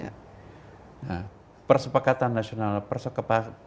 nah persepakatan nasional persekepakatan